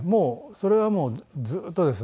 それはもうずっとですね。